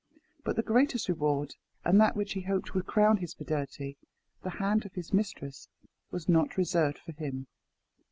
But the greatest reward, and that which he hoped would crown his fidelity the hand of his mistress was not reserved for him.